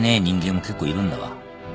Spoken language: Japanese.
人間も結構いるんだわ。